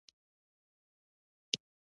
د بایو ګاز سیستمونه په کلیو کې ښه دي